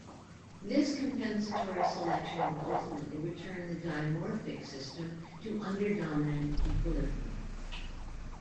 This compensatory selection would ultimately return the dimorphic system to underdominant equilibrium.